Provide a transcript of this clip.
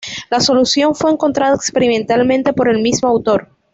La solución fue encontrada experimentalmente por el mismo autor.